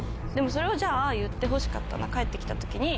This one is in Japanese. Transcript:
それはじゃあ言ってほしかった帰って来た時に。